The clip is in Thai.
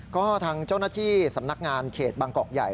ก็ทางเจ้าหน้าที่สำนักงานเขตบางกอกใหญ่